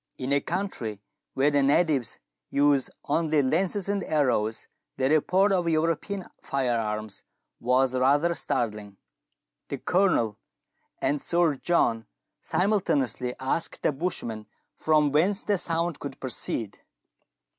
In a country where the natives use only lances and arrows the report of European fire arms was rather startling. The Colonel and Sir John simultaneously asked the bushman from whence the sound could proceed.